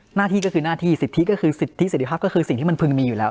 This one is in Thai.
หน้าที่ก็คือหน้าที่สิทธิก็คือสิทธิเสร็จภาพก็คือสิ่งที่มันพึงมีอยู่แล้ว